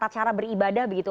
cara beribadah begitu